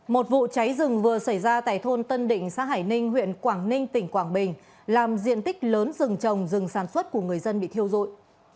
một vụ cháy rừng vừa xảy ra tại thôn tân định xã hải ninh huyện quảng ninh tỉnh quảng bình làm diện tích lớn rừng trồng rừng sản xuất của người dân bị thiêu rụi